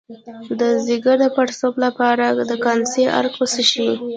د ځیګر د پړسوب لپاره د کاسني عرق وڅښئ